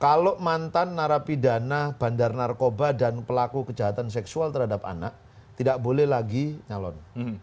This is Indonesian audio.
kalau mantan narapidana bandar narkoba dan pelaku kejahatan seksual terhadap anak tidak boleh lagi nyalon